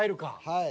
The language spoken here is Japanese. はい。